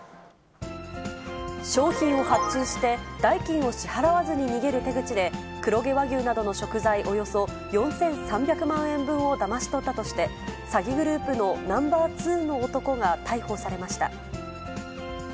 商品を発注して、代金を支払わずに逃げる手口で、黒毛和牛などの食材およそ４３００万円分をだまし取ったとして、詐欺グループのナンバー２の男が逮捕されました。